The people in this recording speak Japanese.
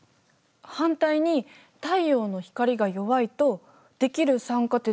反対に太陽の光が弱いと出来る酸化鉄が少なくなる。